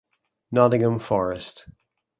Nottingham Forest